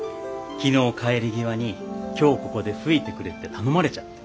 昨日帰り際に今日ここで吹いてくれって頼まれちゃって。